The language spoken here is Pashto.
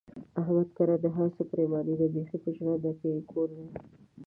احمد کره د هر څه پرېماني ده، بیخي په ژرنده کې یې کور دی.